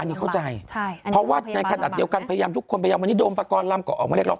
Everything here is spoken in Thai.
อันนี้เข้าใจใช่เพราะว่าในขณะเดียวกันพยายามทุกคนพยายามวันนี้โมปากรลำก็ออกมาเรียกร้อง